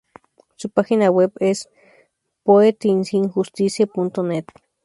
Su página web es Poeticinjustice.net.